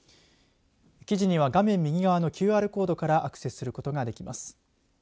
記事には画面右側のＱＲコードからアクセスすることができます。